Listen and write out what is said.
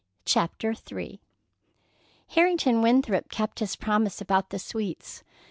CHAPTER III Harrington Winthrop kept his promise about the sweets.